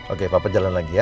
oke papa jalan lagi ya